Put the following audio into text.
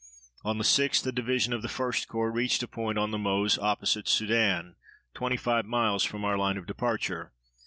On the 6th a division of the 1st Corps reached a point on the Meuse opposite Sedan, twenty five miles from our line of departure.